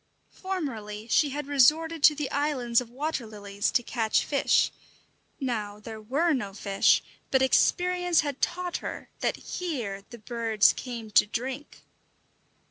Formerly she had resorted to the islands of water lilies to catch fish; now there were no fish, but experience had taught her that here the birds came to drink.